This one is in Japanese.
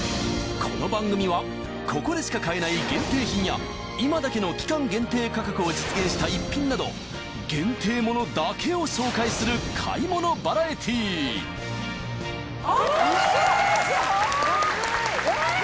この番組はここでしか買えない限定品や今だけの期間限定価格を実現した逸品など限定ものだけを紹介する買い物バラエティーえ！